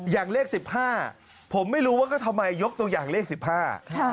อย่างเลข๑๕ผมไม่รู้ว่าทำไมยกตัวอย่างเลข๑๕นะฮะ